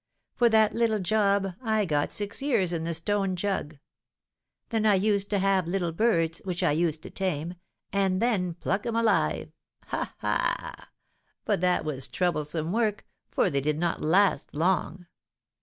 For that little job, I got six years in the 'Stone Jug.' Then I used to have little birds, which I used to tame, and then pluck 'em alive. Ha! ha! but that was troublesome work, for they did not last long.